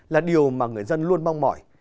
là điều mà người dân luôn mong mỏi